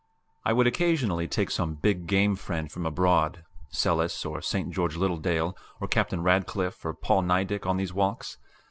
I would occasionally take some big game friend from abroad, Selous or St. George Littledale or Captain Radclyffe or Paul Niedicke, on these walks.